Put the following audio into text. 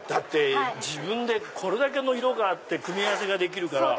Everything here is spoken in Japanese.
自分でこれだけの色があって組み合わせができるから。